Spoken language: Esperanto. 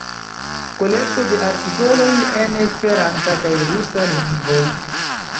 Kolekto de artikoloj en esperanta kaj rusa lingvoj.